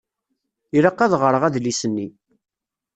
Ilaq ad ɣṛeɣ adlis-nni.